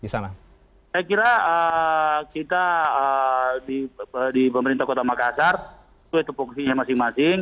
saya kira kita di pemerintah kota makassar itu fokusnya masing masing